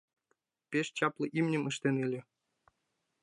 Пеш чапле имньым ыштен ыле.